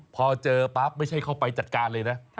พอเจอปั๊บไม่ใช่เข้าไปจัดการเลยนะ